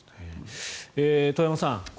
遠山さん